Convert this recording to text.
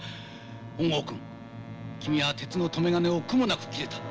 本郷君君は鉄の留め金を苦もなく切れた。